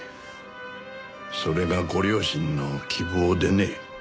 それがご両親の希望でね。